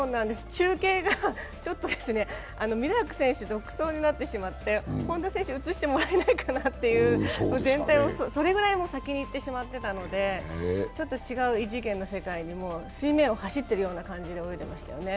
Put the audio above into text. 中継がちょっと、ミラーク選手独走になってしまって本多選手、映してもらえないかなとそれぐらい先にいってしまっていたので、ちょっと違う、異次元の世界に、水面を走っているような感じでしたよね。